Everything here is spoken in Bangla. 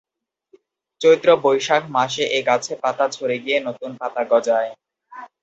চৈত্র-বৈশাখ মাসে এ গাছে পাতা ঝরে গিয়ে নতুন পাতা গজায়।